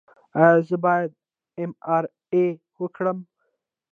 ایا زه باید ایم آر آی وکړم؟